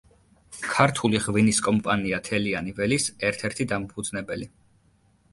ქართული ღვინის კომპანია „თელიანი ველის“ ერთ-ერთი დამფუძნებელი.